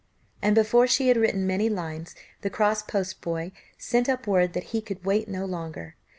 And before she had written many lines the cross post boy sent up word that he could wait no longer.